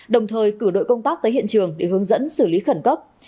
đồng thời cử đội công tác tới hiện trường để hướng dẫn xử lý khẩn cấp